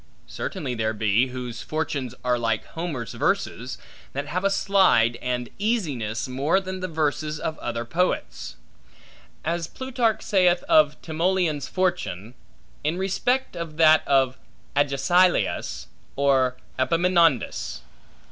Certainly there be, whose fortunes are like Homer's verses, that have a slide and easiness more than the verses of other poets; as Plutarch saith of Timoleon's fortune, in respect of that of Agesilaus or Epaminondas.